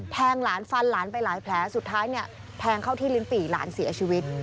หลานฟันหลานไปหลายแผลสุดท้ายเนี่ยแทงเข้าที่ลิ้นปี่หลานเสียชีวิต